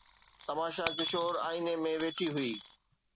تماشا ڪشور آئيني ۾ ويٺي هئي